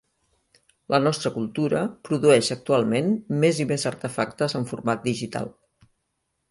La nostra cultura produeix actualment més i més artefactes en format digital.